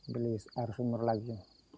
beli air sumur lagi